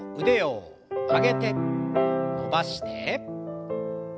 腕を曲げて伸ばして。